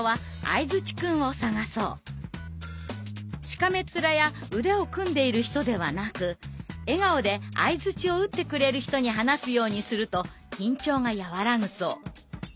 しかめっ面や腕を組んでいる人ではなく笑顔で相づちを打ってくれる人に話すようにすると緊張が和らぐそう。